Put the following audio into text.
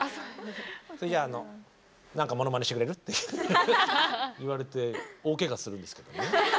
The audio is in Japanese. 「それじゃあの何かモノマネしてくれる？」って言われて大けがするんですけどね。